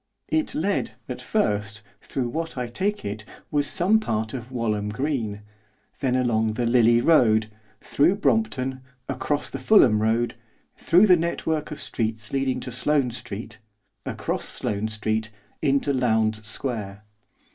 It led, at first, through what, I take it, was some part of Walham Green; then along the Lillie Road, through Brompton, across the Fulham Road, through the network of streets leading to Sloane Street, across Sloane Street into Lowndes Square.